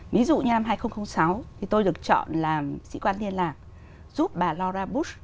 ví dụ như năm hai nghìn sáu thì tôi được chọn làm sĩ quan liên lạc giúp bà loravut